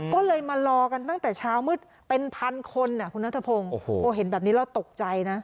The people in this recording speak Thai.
ก็เลยมารอกันตั้งแต่เช้ามืดเป็นพันคนอ่ะคุณนัทพงศ์โอ้โหเห็นแบบนี้แล้วตกใจนะ